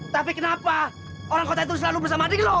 tapi kenapa orang kota itu selalu bersama adik loh